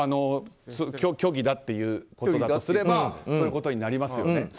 虚偽だとすればそういうことになりますよね。